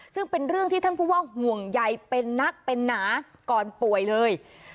ซึ่งเป็นเรื่องที่ท่านผู้ว่าห่วงใยเป็นนักเป็นหนาก่อนป่วยเลย